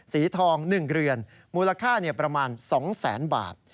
สีทองหนึ่งเรือนมูลค่าเนี่ยประมาณสองแสนบาท